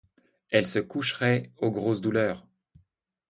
Elle se coucherait aux grosses douleurs.